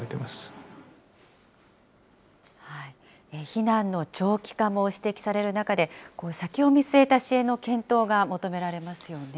避難の長期化も指摘される中で、先を見据えた支援の検討が求められますよね。